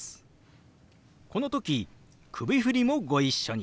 この時首振りもご一緒に。